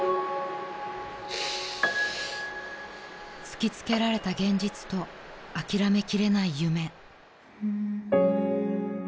［突き付けられた現実と諦めきれない夢］